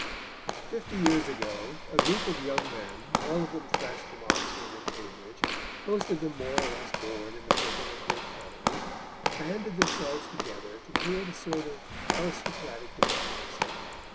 Fifty years ago a group of young men, all of them fresh from Oxford and Cambridge, most of them more or less born in the purple of good families, banded themselves together to create a sort of aristocratic democracy.